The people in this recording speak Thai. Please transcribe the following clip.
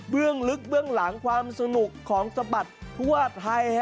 เรื่องลึกเรื่องหลังความสนุกของสระบัดทั่วไทย